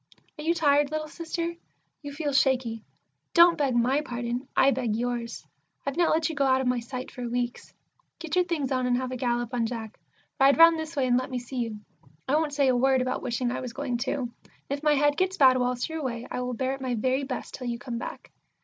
Are you tired, little Sister? You feel shaky. Don't beg my pardon; I beg yours. I've not let you go out of my sight for weeks. Get your things on, and have a gallop on Jack. Ride round this way and let me see you. I won't say a word about wishing I was going too; and if my head gets bad whilst you're away, I will bear it my very best till you come back.